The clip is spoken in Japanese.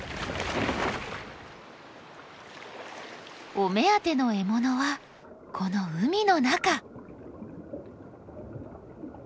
お目当ての獲物はこの海の中。